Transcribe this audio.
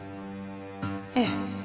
ええ。